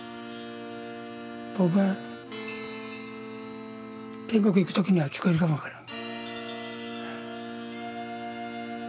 僕は天国行く時には聞こえるかも分からん。